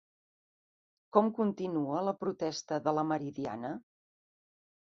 Com continua la protesta de la Meridiana?